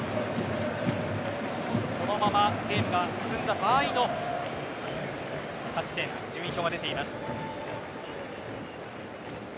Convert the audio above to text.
このままゲームが進んだ場合の勝ち点、順位表が出ています。